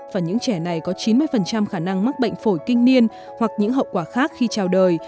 và những trẻ này có chín mươi khả năng mắc bệnh phổi kinh niên hoặc những hậu quả khác khi trào đời